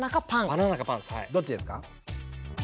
どっちですか？